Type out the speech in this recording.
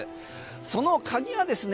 その鍵はですね